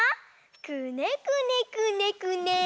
くねくねくねくね。